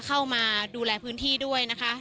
เข้ามาดูแลพื้นที่ด้วยนะคะ